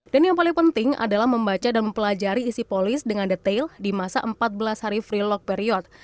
dan yang paling penting adalah membaca dan mempelajari isi polis dengan detail di masa empat belas hari free lock period